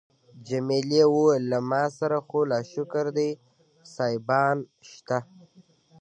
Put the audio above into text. جميلې وويل: له ما سره خو لا شکر دی سایبان شته.